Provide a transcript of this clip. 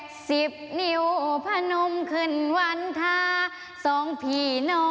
น้ำตาตกโคให้มีโชคเมียรสิเราเคยคบกันเหอะน้ำตาตกโคให้มีโชค